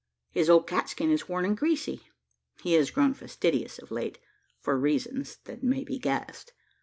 His old catskin is worn and greasy. He has grown fastidious of late for reasons that may be guessed.